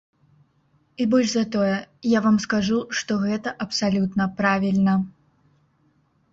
І больш за тое, я вам скажу, што гэта абсалютна правільна.